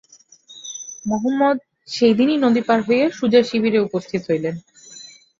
মহম্মদ সেইদিনই নদী পার হইয়া সুজার শিবিরে উপস্থিত হইলেন।